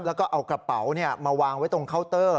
แล้วก็เอากระเป๋ามาวางไว้ตรงเคาน์เตอร์